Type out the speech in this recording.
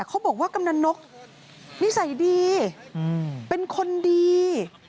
เขาบอกว่ากำหนังนกนิสัยดีเป็นคนดี